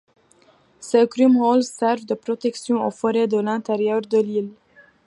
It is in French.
Ces krummholz servent de protection aux forêts de l'intérieur de l'île.